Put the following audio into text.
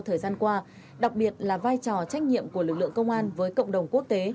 thời gian qua đặc biệt là vai trò trách nhiệm của lực lượng công an với cộng đồng quốc tế